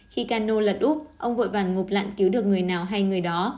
khi cano lật úp ông vội vàng ngụp lặn cứu được người nào hay người đó